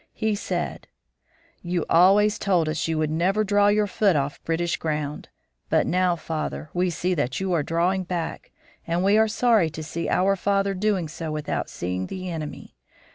He said: "You always told us you would never draw your foot off British ground; but now, father, we see that you are drawing back, and we are sorry to see our father doing so without seeing the enemy.